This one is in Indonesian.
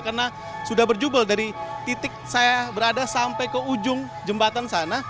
karena sudah berjubel dari titik saya berada sampai ke ujung jembatan sana